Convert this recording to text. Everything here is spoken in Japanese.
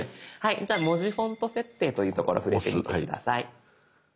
じゃあ「文字フォント設定」というところ触れてみて下さい。